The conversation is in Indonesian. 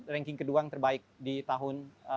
ranking kedua yang terbaik di tahun